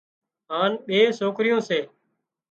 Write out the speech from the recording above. هانَ ٻي سوڪريون سي